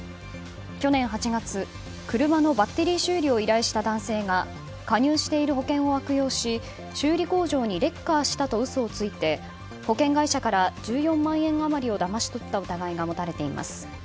去年８月、車のバッテリー修理を依頼した男性が加入している保険を悪用し修理工場にレッカーしたと嘘をついて保険会社から１４万円余りをだまし取った疑いが持たれています。